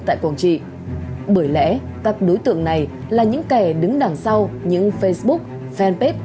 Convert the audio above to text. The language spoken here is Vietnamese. tại quảng trị bởi lẽ các đối tượng này là những kẻ đứng đằng sau những facebook fanpage